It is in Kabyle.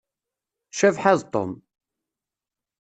Cabḥa d Tom.